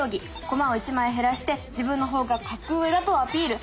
駒を１枚減らして自分の方が格上だとアピール！